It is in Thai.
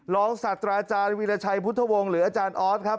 ศาสตราอาจารย์วีรชัยพุทธวงศ์หรืออาจารย์ออสครับ